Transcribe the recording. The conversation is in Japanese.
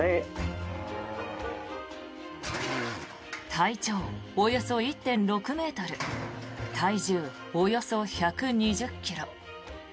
体長およそ１．６ｍ体重およそ１２０ｋｇ。